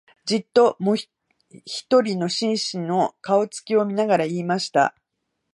じっと、もひとりの紳士の、顔つきを見ながら言いました